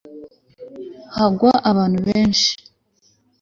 hagwa abantu benshi